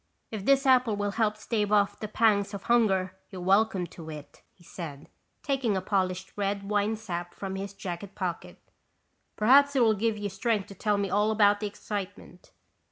"If this apple will help stave off the pangs of hunger, you're welcome to it," he said, taking a polished red Winesap from his jacket pocket. "Perhaps it will give you strength to tell me all about the excitement."